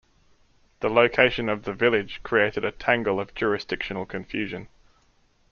The location of the village created a tangle of jurisdictional confusion.